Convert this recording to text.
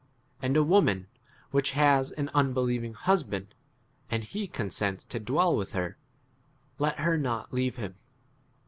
And a woman which has an unbelieving husband, and he consents to dwell with her, let her not leave him.